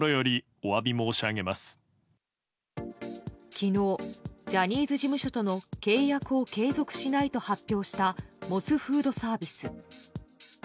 昨日、ジャニーズ事務所との契約を継続しないと発表したモスフードサービス。